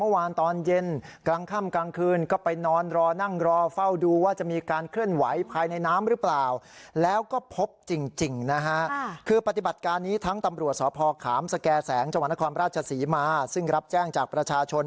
วันน้ำความราชสีมาซึ่งรับแจ้งจากประชาชน